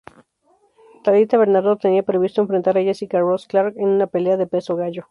Talita Bernardo tenía previsto enfrentar a Jessica-Rose Clark en una pelea de peso gallo.